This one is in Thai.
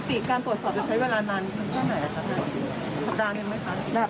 ปกติการปวดสอบจะใช้เวลานานเท่านั้นไหมครับ